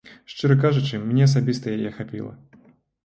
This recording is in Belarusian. Шчыра кажучы, мне асабіста яе хапіла.